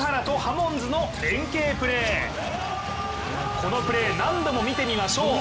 このプレー何度も見てみましょう。